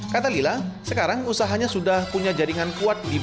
kata lila sekarang usahanya sudah punya jaringan kuat diberikan